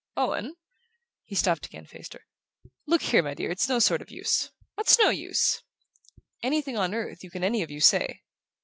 "Owen " He stopped again and faced her. "Look here, my dear, it's no sort of use." "What's no use?" "Anything on earth you can any of you say."